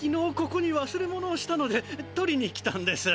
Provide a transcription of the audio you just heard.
ここにわすれものをしたので取りに来たんです。